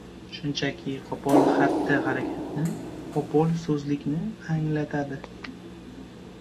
shunchaki qo‘pol xatti-harakatni, qo‘pol so‘zlikni anglatadi.